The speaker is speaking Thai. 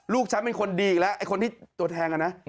ลูกฉันเป็นคนดีอีกแล้วคนที่โดนแทงกันนะ